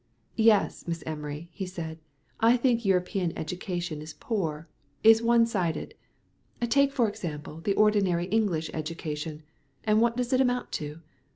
"Yes, Miss Emery," he said, "I think European education is poor, is one sided. Take, for example, the ordinary English education, and what does it amount to?